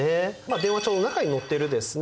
電話帳の中に載ってるですね